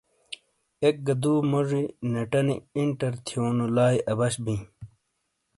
ایک گہ دُو موجی نیٹانی انٹر تھیونو لائی اَبش بِیں۔